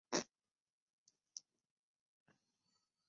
戈登询问了年轻的兰伯特。